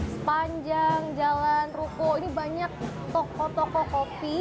sepanjang jalan ruko ini banyak toko toko kopi